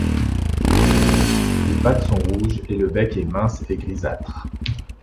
Les pattes sont rouges et le bec est mince et grisâtre.